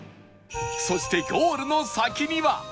そしてゴールの先には